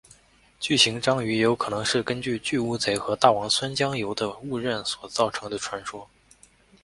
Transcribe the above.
巨型章鱼也有可能是根据巨乌贼和大王酸浆鱿的误认所造成的传说。